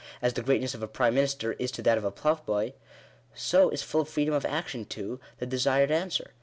As the greatness of a prime minister is to that of a ploughboy, so is full freedom of action to — the desired answer.